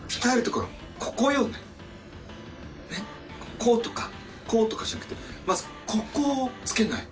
こうとかこうとかじゃなくてまずここをつけないと。